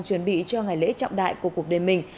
chuẩn bị cho ngày lễ trọng đại của cuộc đời mình